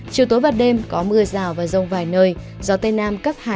chiều tối và đêm có mưa rào và rông vài nơi gió tây nam cấp hai